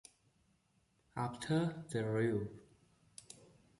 After the Rev.